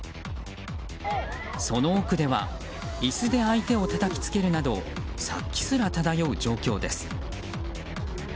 その奥では椅子で相手をたたきつけるなど殺気すら漂う状況です。